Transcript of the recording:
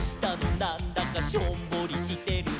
なんだかしょんぼりしてるね」